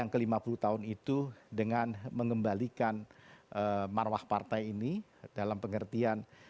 jangan lupa untuk berikan duit kepada tuhan